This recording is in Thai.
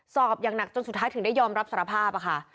สอบอย่างหนักจนสุดท้ายถึงได้ยอมรับสารภาพค่ะ